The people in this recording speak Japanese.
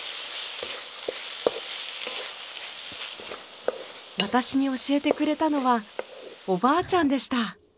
私に教えてくれたのはおばあちゃんでした。